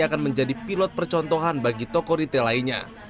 akan menjadi pilot percontohan bagi toko retail lainnya